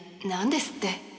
何ですって？